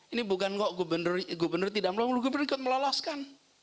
ini bukan kok gubernur tidak melolos gubernur ikut meloloskan